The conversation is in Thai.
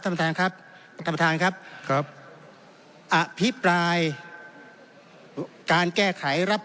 ท่านประธานครับท่านประธานครับครับอภิปรายการแก้ไขรับ